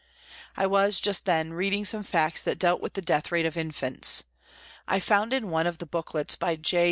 I was, just then, reading some facts that dealt with the death rate of infants. I found in one of the booklets by J.